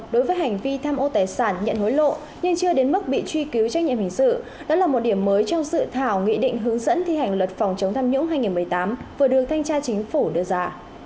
đối với hành vi tham ô tài sản nhận hối lộ nên chưa đến mức bị truy cứu trách nhiệm hình sự đó là một điểm mới trong dự thảo nghị định hướng dẫn thi hành luật phòng chống tham nhũng hai nghìn một mươi tám vừa được thanh tra chính phủ đưa ra